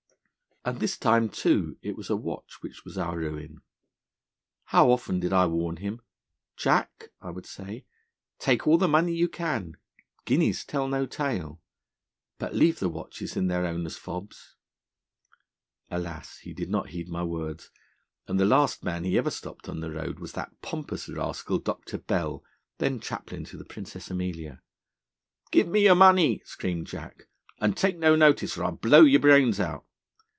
'And this time, too, it was a watch which was our ruin. How often did I warn him: "Jack," I would say, "take all the money you can. Guineas tell no tale. But leave the watches in their owners' fobs." Alas! he did not heed my words, and the last man he ever stopped on the road was that pompous rascal, Dr. Bell, then chaplain to the Princess Amelia. "Give me your money," screamed Jack, "and take no notice or I'll blow your brains out."